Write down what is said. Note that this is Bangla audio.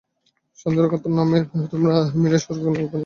শান্তিরক্ষার নামে, তোমরা আর্মিরা এই স্বর্গকে নরক বানিয়েছ।